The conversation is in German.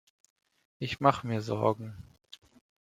Ich mache mir Sorgen.